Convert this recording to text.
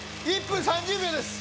１分３０秒です